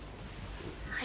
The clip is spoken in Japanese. はい。